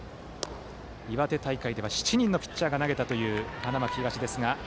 岩手大会では７人のピッチャーが投げたという花巻東ですが。